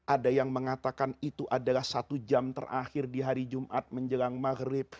ada yang mengatakan itu adalah satu jam terakhir di hari jumat menjelang maghrib